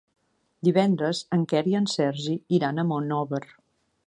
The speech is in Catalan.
Divendres en Quer i en Sergi iran a Monòver.